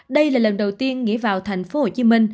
đây là lần đầu tiên nghĩa vào tp hcm